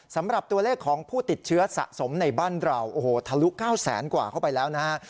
สำหรับตัวเลขของผู้ติดเชื้อสะสมในบ้านเราโอ้โหทะลุ๙แสนกว่าเข้าไปแล้วนะฮะ